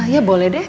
ya boleh deh